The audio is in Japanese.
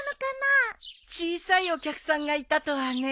小さいお客さんがいたとはね。